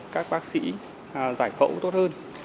các bác sĩ giải phẫu tốt hơn